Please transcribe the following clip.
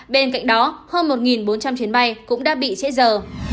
bên cạnh đó hơn một bốn trăm linh chuyến bay cũng đã bị trễ giờ